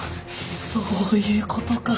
そういうことか。